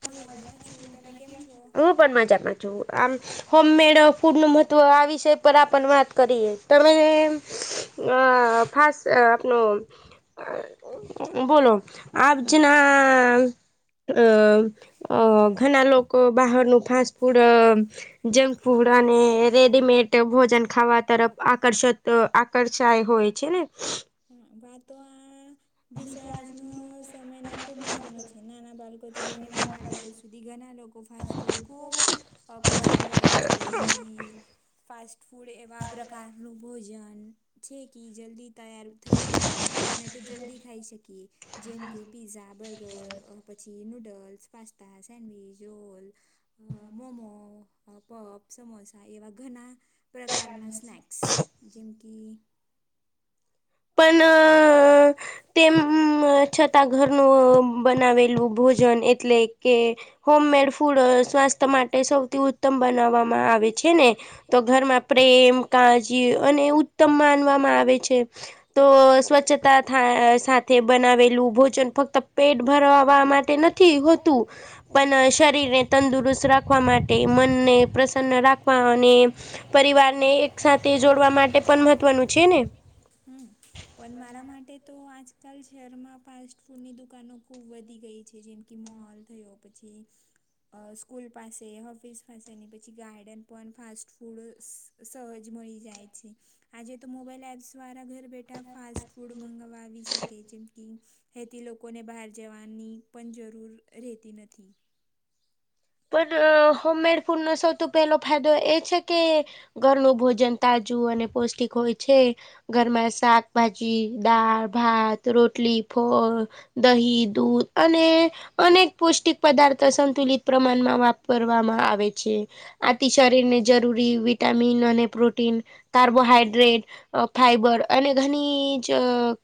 હું અજામાં છું તમે કેમ છો હું પણ મજામાં છું આમ હોમ મેડ ફૂડ નું મહત્વ આ વિષય પર આપ વાત કરીએ તમે ફાસસ્ટ્ટ આપનો બોલો આ હા જેના અ ઘણા લોકો બહારનું ફાસ્ટ ફૂડ જંક ફૂડ અને રેડીમેડ ભોજન ખાવા તરફ આકર્ષત આકર્ષાય હોય છે ને હા વાતો આ વિશે આજનો સમય ના ખુબ મહત્વનો છે ના નાના બાળકોથી લઈને મોટા લોકો સુધી ઘણા લોકો ફાસ્ટ ફૂડ ખૂ અ પસંદ હોય છે જેમ કે ફાસ્ટ ફૂડ એવા પ્રકારનું ભોજન છે કે જલ્દી તૈયાર થઈ જાય અને તો જલ્દી ખાઈ શકીએ જેમ કે પીઝા બર્ગર પછી નૂડલ્સ પાસ્તા સેન્ડવીચ રોલ અ મોમો પપ સમોસા એવા ઘણા પ્રકારના સ્નેક્સ જેમ કે પણ તેમ છતાં ઘરનું બનાવેલું ભોજન એટલે કે હોમ મેડ ફૂડ સ્વાસ્થ્ય માટે સૌથી ઉત્તમ બનાવવામાં આવે છે ને તો ઘરમાં પ્રેમ કાજી અને ઉત્તમ માનવામાં આવે છે તો સ્વચ્છતા સાથે બનાવેલું ભોજન ફક્ત પેટ ભરવા માટે નથી હતું પણ શરીરને તંદુરસ્ત રાખવા માટે મનને પ્રસન્ન રાખવા અને પરિવારને એક સાથે જોડવા માટે પણ મહત્વનું છે ને હમ પણ મારા માટે તો આજકાલ શહેરમાં ફાસ્ટ ફૂડની દુકાનો ખૂબ વધી ગઈ છે જેમ કે મોલ થયો પછી સ્કૂલ પાસે ઓફિસ પાસે ની પછી ગાર્ડન પણ ફાસ્ટ ફૂડ સહજ મળી જાય છે આજે તો મોબાઈલ એપ્સ દ્વારા ઘ ફાસ્ટ ફૂડ મંગવા આવી શકે જેમ કે હથી લોકોને બહાર જવાની પણ જરૂર રહેતી નથી પણ હોમમેડ ફૂડ ન સૌથી પહેલો ફાયદો એ છે કે ઘરનું ભોજન તાજું અને પૌષ્ટિક હોય છે ઘરમાં શાકભાજી દાળ ભાત રોટલી ફોળ દહી દૂધ અને અનેક પૌષ્ટિક પદાર્થો સંતુલિત પ્રમાણમાં વાપરવામાં આવે છે આથી શરીરને જરૂરી વિટામિન અને પ્રોટીન કાર્બોહાઈડ્રેટ અ ફાઈબર અને ઘણી જ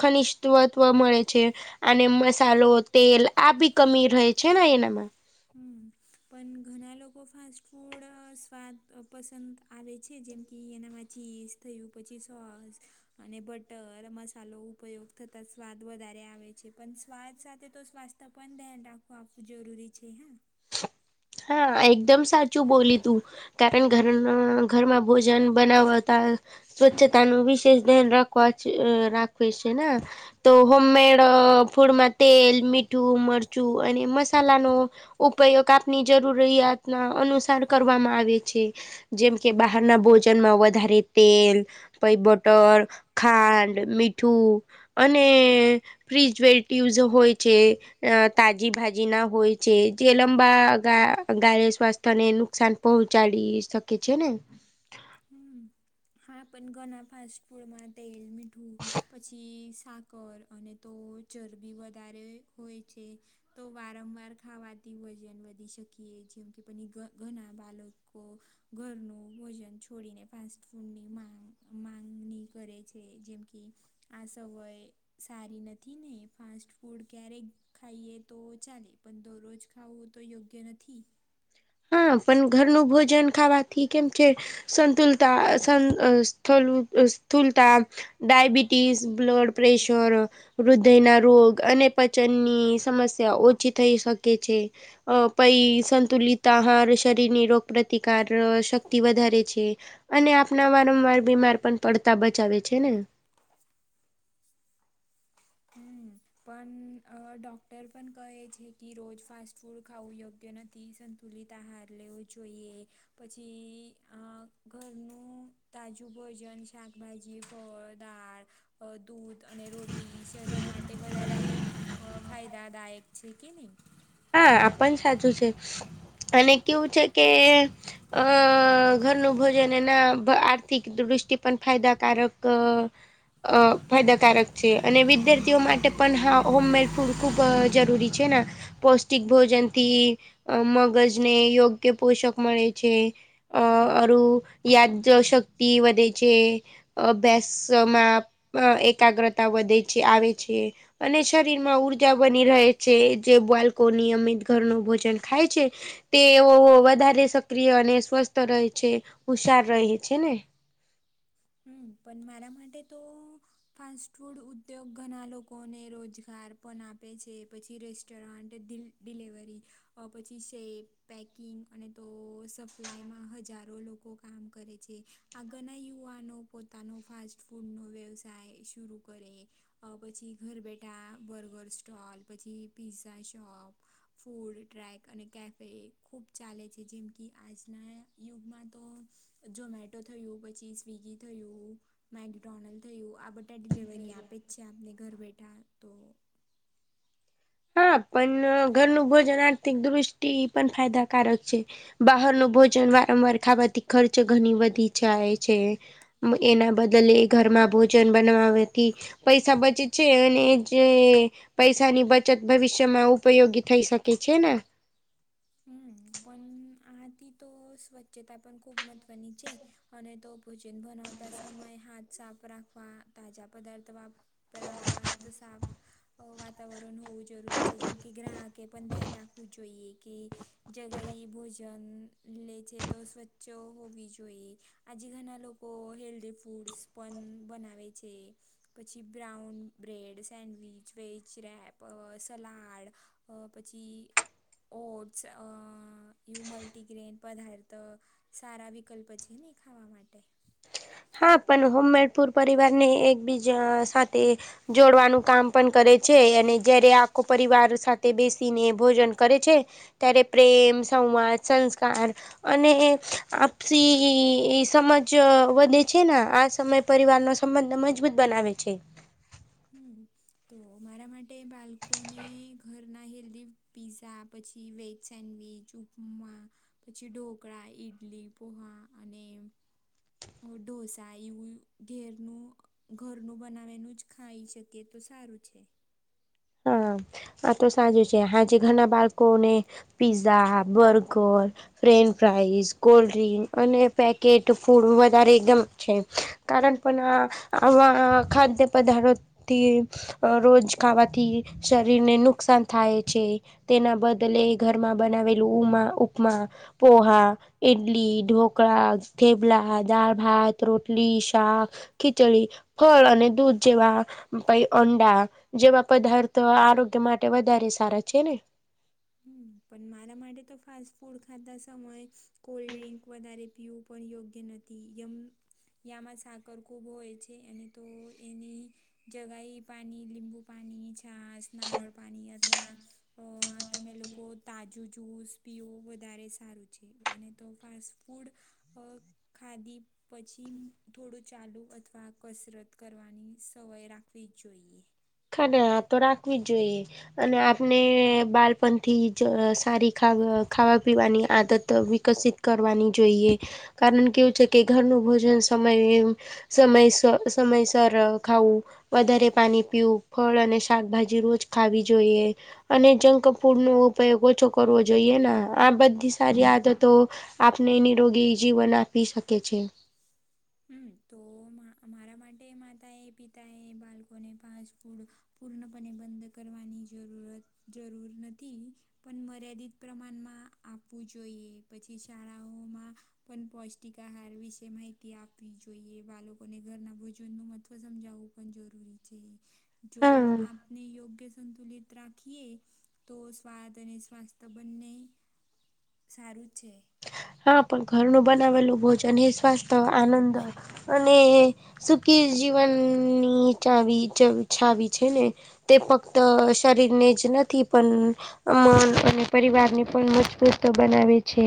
ખનિષ તત્વ મળે છે અને મસાલો તેલ આ બી કમી રહે છે ને એનામાં હમ પણ ઘણા લોકો ફાસ્ટ ફૂડ સ્વાદ પસંદ આવે છે જેમ કે એનામાં ચી થયું પછી શસ અને બટર મસાલો ઉપયોગ થતા સ્વાદ વધારે આવે છે પણ સ્વાદ સાથે તો સ્થ તો પણ ધ્યાન રાખવો આપું જરૂરી છે હ હા એકદમ સાચું બોલી તું કારણ ઘર ઘરમાં ભોજન બનાવતા સ્વચ્છતાનું વિશેષ ધ્યાન રાખવા રાખવ છે ને તો હોમ મેડ ફૂડમાં તેલ મીઠું મરચું અને મસાલાનો ઉપયોગ આપની જરૂરિયાત અનુસાર કરવામાં આવે છે જેમ કે બહારના ભોજનમાં વધારે તેલ પાઈ બટર ખાંડ મીઠું અને ફિજવેટિવસ હોય છે તાજી ભાજી ના હોય છે જે લંબા ગાય સ્વાસ્થ્ય ને નુકસાન પહોંચાડી શકે છે ને હમ હા પણ ઘરણાં ફાસ્ટ ફૂડમાં તેલ મીઠું પછી શાક કર અને તો ચરબી વધારે હોય છે તો વારંવાર ખાવાથી વજન વધી શકીએ જેમ કે પછી ઘણા બાળકો ઘરનું ભોજન છોડીને ફાસ્ટ ફૂડની માંગણી કરે છે જેમ કે આ સય સારી નથી ને ફાસ્ટ ફૂડ ક્યારેક ખાઈએ તો ચાલે પન દરરોજ ખાવું તો યોગ્ય નથી હા પણ ઘરનું ભોજન ખાવાથી કેમ કે સંતુલતા [unintelligible] ડાયબિટીસ બ્લડ પ્રેશર હૃદયના રોગ અને પચનની સમસ્યા ઓછી થઈ શકે છે અ પઈ સંંતુલિત તાહાર શરીરની રોગ પ્ર્રતિકાર શક્તિ વધારે છે અને આપણા વારંવાર બીમાર પણ પડતા બચાવે છે ને પન ડોક્ટર પન કહે છે કે રોજ ફાસ્ટ ફૂડ ખાવું યોગ્ય નથી થી સંતુલિત આહાર લેવો જોઈએ પછી ઘરનું અ તાજું ભોજન શાકભાજી ફળ દાળ અ દૂધ અને રોટી શરીર માટે વધારે ફાયદાદાયક છે કે નહીં હા આ પણ સાચું છે અને કેવું છે કે અ ઘરનું ભોજન એના આર્થિક દૃષ્ટિ પણ ફાયદાકારક અ ફાયદાકારક છે અને વિદ્યાર્થીઓ માટે પણ હા હોમમેડ ફૂડ ખૂબ જરૂરી છે ના પૌષ્ટિક ભોજન થી અ મગજને યોગ્ય પોષક મળે છે અ અરુ યાદશક્તિ વઘે છે અભ્યાસમાં પ એકાગ્રતા વધે છે આવે છે અને શરીર માં ઉર્જા બની રહે છે જે બાલ કો નિયમિત ઘરનું ભોજન ખાય છે તેઓ વધારે સક્રિય અને સ્વસ્થ રહે છે હુશાર રહે છે ને પન મારા માટે તો ફાસ્ટફૂડ ઉદ્યોગ ઘણા લોકોને રોજગાર પણ આપે છે પછી રેસ્ટોરન્ટ દિલ ડીલેવરી અ પછી સેપ પેકિંગ અને તો સપ્લાયમાં હજારો લોકો કામ કરે છે આગળના યુવાનો પોતાનો ફાસ્ટ ફૂડનો વ્યવસાય શરૂ કરે અ પછી ઘર બેઠા બર્ગર સ્ટોલ પછી પીઝઝા શોપ ફૂડ ટ્રેક અને કેફે ખૂબ ચાલે છે જેમ કે આજના યુગમાં તો ઝોમેટો થયું પછી સ્વિગી થયું મેગડોનલ્ડ થયું આ બધું ટે ડિલિવરી આપે જ છે આપને ઘર બેઠા તો હા પન ઘરનું ભોજન આર્થિક દૃષ્ટિ એ પણ ફાયદાકારક છે બહારનું ભોજન વારંવાર ખાવાથી ખર્ચ ઘની વધી જાય છે એના બદલે ઘરમાં ભોજન બનાવવાતી પૈસા બચે છે અને જે પૈસા ની બચ ચત ભવિષ્યમાં ઉપયોગી થઈ શકે છે ને હમ પણ આથી તો સ્વચ્છતા પણ ખૂબ મહત્વની છે. અને તો ભોજન બનાવતા સમયે હાથ સાફ રાખવા તાજા પદાર્થ વાપ પરાવા અને તો સાફ. અ વાતાવરણ હોવું જરૂરી છે જેમ કે ગ્રાહકે પણ ધ્યાન રાખવું જોઈએ. કી જગા એ ભોજન લે છે તો સ્વચ્છ હોવો ભી જોઈએ. આજે ઘણા લોકો હેલ્ધી ફૂડ્સ પણ બનાવે છે. પછી brown bread sandwich veg wrap અ સલાડ. અ પછી. ઓટ્સ અ યું મલ્ટીગ્રેન પદાર્થ સારા વિકલ્પ છે ને ખાવા માટે. હા પણ હોમ મેડ પુર પરિવારને એકબીજા સાથે જોડવાનું કામ પણ કરે છે અને જયારે આ. ખું પરિવાર સાથે બેસીને ભોજન કરે છે. ત્યારે પ્રેમ સંવાદ સંસ્કાર અને એ આપસી સમજ વધે. છે ના આ સમય પરિવારનો સંબંધ મજબૂત બનાવે છે. હમ તો મારા માટે બાલકોને ઘર. ઘરના હેલ્ધી પીઝા પછી વેજ સેન્ડવિચ ઉપમા પછી ઢોકળા ઈડલી પોહા અને અ ઢોસા એવું ઘેર નું. ઘરનું બનાવેલુ ખાઈ શકીએ તો સારું છે. હા આ તો સાજું છે હાંજે ઘણા બાળકો ને. Pizza burger french fries cold drink અને પેકેટ ફૂડ વધારે એ ગમ છે. કારણ પણ આ આવા ખાદ્ય પદાથૅ રોથી આ રોજ ખાવા. થી શરીરને નુકસાન થાય છે. તેના બદલે ઘરમાં બનાવેલું ઉમા ઉપમા પોહા. ઇડલી ઢોકળા થેબલા દાળ ભાત રોટલી શાક. ખીચડી ફળ અને દૂધ જેવા પહી અંડા જેવા. પદાર્થ આરોગ્ય માટે વધારે સારા છે ને. હમ પણ મારા માટે તો ફાસ્ટ ફૂડ ખાતા સમયે કોલ્ડ ડ્રિંક વધારે. પીવું પણ યોગ્ય નથી હતી યમ. યામાં સાકર ખૂબ હોય છે અને તો એની. જગાઈ પાણી લીંબુ પાણી જ. નાશ નારળ પાણી અથવા આ તમે લુ. તો તાજું જૂસ પીવુ વધારે સારું છે અને તો ફાસ્ટ ફૂડ. અ ખાધી પછી. થોડું ચાલુ અથવા કસરત કરવાની સવાય રાખવી જ જોઈએ. અને આ તો રાખવી જ જોઈએ. અને આપને બાલપણથી જ અ સારી ખાવાની પીવાની આદત વિકસિત. કરવાની જોઈએ કારણ કેવું છે કે ઘરનું ભોજન સ. સમય એવું સમય સમયસર ખાવું વધારે પાણી પીવું. ફલ અને શાકભાજી રોજ ખાવી જોઈએ. અને જંક ફૂડ નો ઉપયોગ ઓછો કરવો જોઈએ ના આ બધી સારી આદતો. આપણે નીરોગી જીવન આપી શકે છે. હમ તો મારા માટે માતા એ પિતા એ બાળકોને ફાસ્ટ ફૂડ ખાવા. પૂર્ણપણે બંધ કરવાની જરૂરત જરૂર નથી. પણ મર્યાદિત પ્રમાણમાં આપવું જોઈએ પછી શાળાઓમાં. પણ પૌષ્ટિક આહાર વિશે માહિતી આપ. આપવી જોઈએ બાળકોને ઘરના ભોજન નું મહત્વ સમજાવવું પણ જરૂરી છે. જો હા આપને યોગ્ય. સંતુલિત રાખીએ તો સ્વાદ અને સ્વાસ્થ્ય બંને. સારું જ છે. હા પણ ઘરનું બનાવેલું ભોજન એ સ્વસ્થ આનંદ હોય. અને સુખી જીવનની ચાવી છાવી છે ને. તે ફક્ત શરીર ને જ નથી પણ. મન અને પરિવારને પણ મજબૂત બનાવે છે.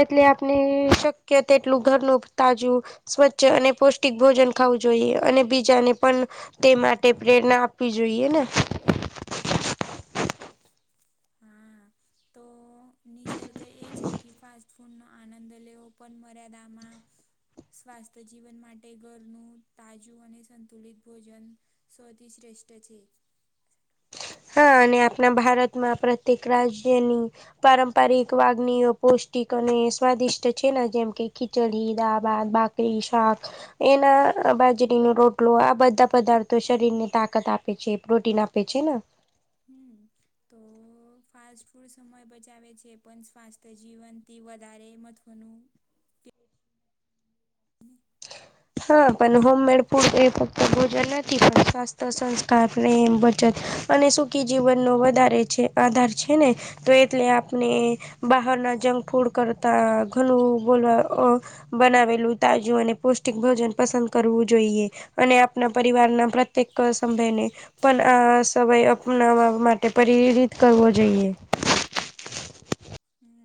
એટલે આપણે શક્ય તેટલું ઘરનું તાજું. સ્વચ્છ અને પૌષ્ટિક ભોજન ખાવું જોઈએ અને બીજાને પણ. તે માટે પ્રેરણા આપવી જોઈએ ને. હમ. નિસર્ગ એ છે કે ફાસ્ટ ફૂડ નો આનંદ લેવો પણ મર્યાદામાં. સ્વાસ્થ્ય જીવન માટે ઘરનું તાજું અને સંતુલિત ભોજન. સૌથી શ્રેષ્ઠ છે. હા અને આપણા ભારતમાં પ્રત્યેક રાજ્યની. પારંપરિક વાગણીઓ પૌષ્ટિક અને સ્વાદિષ્ટ છે ને જેમ કે ખીચડી દાબા બા. કઢી શાખ. એના બાજરી નો રોટલો આ બધા પદાર્થો શરીરને તાકાત આપે છે પ્રોટીન આપ. બે ચી ના. હમ તો. તો ફાસ્ટ ફૂડ સમય બચાવે છે પણ સ્વાસ્થ્ય જીવનથી વધારે મહત્વનું. હા પણ હોમમેડ ફૂડ એ ફક્ત ભોજન નથી પણ સ્વાસ્થ. પ્રેમ બચત અને સુખી જીવનનો વધારે છે આધાર છે ને. તો એટલે આપણે બહાર ના જંક ફૂડ કરતા ઘણું બોલવા. બનાવેલું તાજુ અને પો. સ્ટીક ભોજન પસંદ કરવું જોઈએ અને આપના પરિવારના પ્રત્યેક સંભયને. પણ આ સમય અપનાવા માટે પરિરિત કરવો જોઈએ.